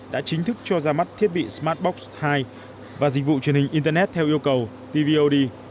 đã chính thức cho ra mắt thiết bị smart box hai và dịch vụ truyền hình internet theo yêu cầu tvod